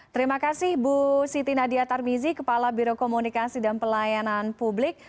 terima kasih bu siti nadia tarmizi kepala biro komunikasi dan pelayanan publik